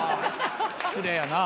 失礼やな。